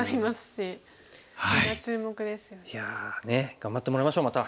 頑張ってもらいましょうまた。